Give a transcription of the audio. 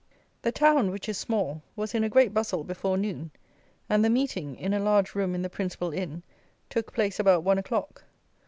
The town, which is small, was in a great bustle before noon; and the Meeting (in a large room in the principal inn) took place about one o'clock.